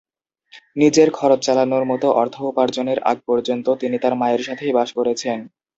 নিজের খরচ চালানোর মতো অর্থ উপার্জনের আগ পর্যন্ত তিনি তার মায়ের সাথেই বাস করেছেন।